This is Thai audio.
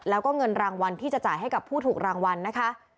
แล้วก็เงินรางวัลที่จะจ่ายให้กับผู้ถูกรางวัลนะคะ